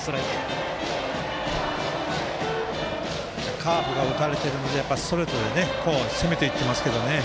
カーブが打たれてるのでストレートで攻めていっていますけどね。